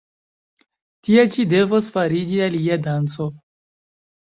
Tie ĉi devos fariĝi alia danco!